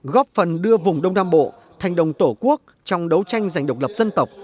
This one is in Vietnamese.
góp phần đưa vùng đông nam bộ thành đồng tổ quốc trong đấu tranh giành độc lập dân tộc